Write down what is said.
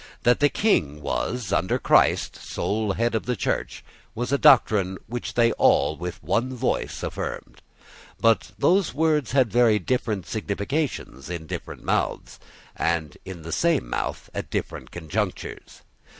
That the King was, under Christ, sole head of the Church was a doctrine which they all with one voice affirmed: but those words had very different significations in different mouths, and in the same mouth at different conjunctures.